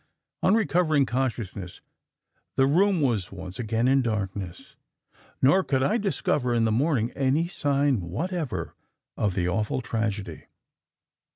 "On recovering consciousness, the room was once again in darkness, nor could I discover in the morning any sign whatever of the awful tragedy.